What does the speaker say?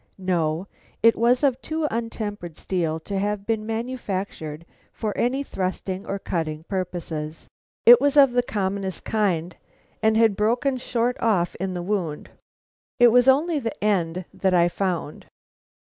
"No; it was of too untempered steel to have been manufactured for any thrusting or cutting purposes. It was of the commonest kind, and had broken short off in the wound. It was the end only that I found."